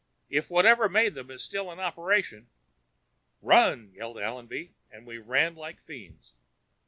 If whatever made them is still in operation...." "Run!" yelled Allenby, and we ran like fiends.